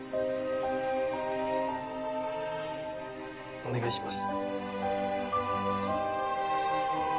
お願いします。